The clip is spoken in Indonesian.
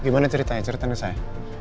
gimana ceritanya cerita ke saya